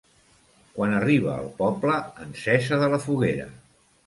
Quan arriba al poble, encesa de la foguera.